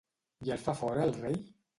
I el fa fora el rei?